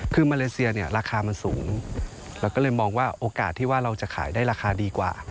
คือมาเลเซียเนี่ยราคามันสูงเราก็เลยมองว่าโอกาสที่ว่าเราจะขายได้ราคาดีกว่า